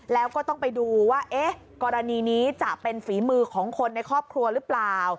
แล้วก็ต้องไปดูว่ากรณีนี้จะเป็นฝีมือของคนในครอบครัวหรือเปล่า